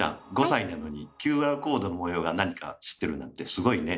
５歳なのにＱＲコードの模様が何か知ってるなんてすごいね。